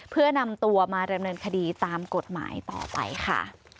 เพื่อนำตัวมาดำเนินคดีตามกฎหมายต่อไปค่ะ